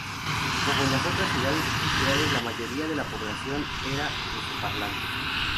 Como en las otras ciudades industriales, la mayoría de la población era ruso-parlante.